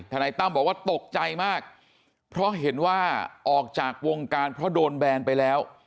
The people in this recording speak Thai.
นายตั้มบอกว่าตกใจมากเพราะเห็นว่าออกจากวงการเพราะโดนแบนไปแล้ว